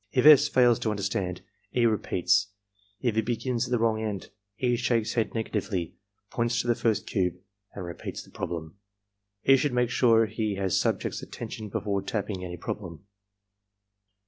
If S. fails to imderstand, E. repeats; if he begins at the wrong end, E. shakes head negatively, points to the first cube, and repeats the problem. E. should make sure he has subject's attention before tapping any problem.